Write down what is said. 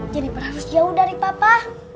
jeniper harus jauh dari papa